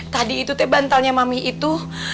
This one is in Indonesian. tadi itu teh bantalnya mami itu